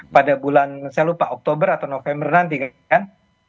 pada bulan saya lupa oktober atau november nanti kan